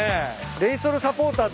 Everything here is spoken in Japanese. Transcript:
レイソルサポーター